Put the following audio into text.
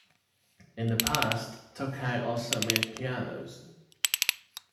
In the past, Tokai also made pianos.